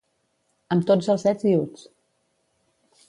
Amb tots els ets i uts.